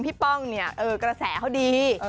ป้องเนี่ยกระแสเขาดี